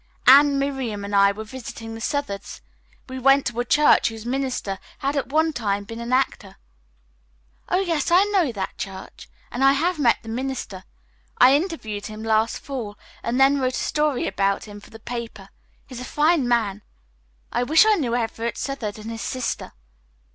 "Anne, Miriam and I were visiting the Southards. We went to a church whose minister had at one time been an actor." "Oh, yes, I know that church, and I have met the minister. I interviewed him last fall and then wrote a story about him for the paper. He is a fine man. I wish I knew Everett Southard and his sister."